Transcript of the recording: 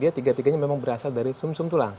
tiga tiganya memang berasal dari sum sum tulang